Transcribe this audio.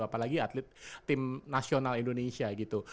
apalagi atlet timnasional indonesia gitu